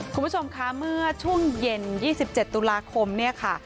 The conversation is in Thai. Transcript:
คุณผู้ชมคะเมื่อช่วงเย็น๒๗ตุลาคมเนี่ยค่ะ